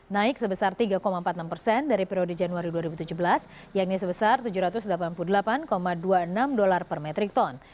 naik sebesar tiga empat puluh enam persen dari periode januari dua ribu tujuh belas yakni sebesar tujuh ratus delapan puluh delapan dua puluh enam dolar per metrik ton